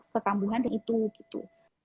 kekambungan itu gitu